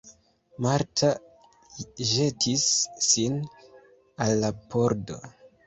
Marta ĵetis sin al la pordo.